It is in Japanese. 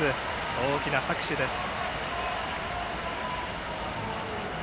大きな拍手でした。